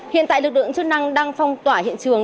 hiện tại lực lượng chức năng đang phong tỏa hiện trường